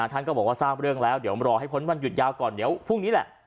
ท่านก็บอกว่าทราบเรื่องแล้วเดี๋ยวรอให้พ้นวันหยุดยาวก่อนเดี๋ยวพรุ่งนี้แหละ